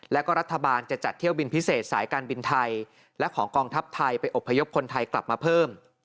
แล้วก็รัฐบาลจะจัดเที่ยวบินพิเศษสายการบินไทยและของกองทัพไทยไปอบพยพคนไทยกลับมาเพิ่ม